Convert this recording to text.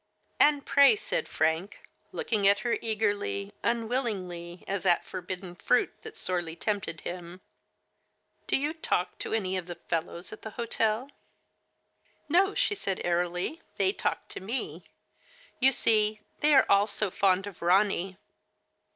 " And pray," said Frank, looking at her eagerly, unwillingly, as at forbidden fruit that sorely tempted him, "do you talk to any of the fellows at the hotel?'' Digitized by Google HELEN MATHERS, II " No," she said airily, " they talk to me. You see, they are all so fond of Ronny."